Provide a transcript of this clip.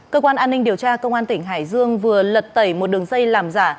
cơ quan an ninh điều tra công an tỉnh hải dương vừa lật tẩy một đường dây làm giả